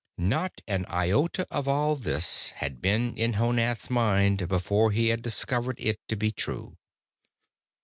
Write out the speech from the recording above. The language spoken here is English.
Not an iota of all this had been in Honath's mind before he had discovered it to be true.